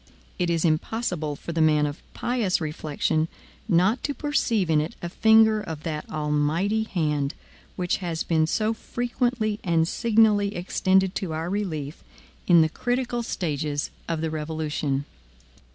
It is impossible for the man of pious reflection not to perceive in it a finger of that Almighty hand which has been so frequently and signally extended to our relief in the critical stages of the revolution.